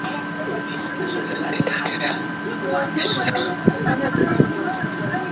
إن ابن زيات له قينة